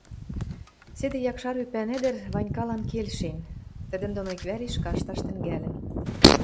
Седӹ якшар ӱпӓн ӹдӹр Ванькалан келшен, тӹдӹн доно иквӓреш кашташ тӹнгӓлӹн.